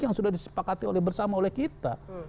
yang sudah disepakati bersama oleh kita